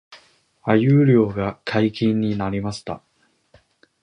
鮎漁が解禁になりました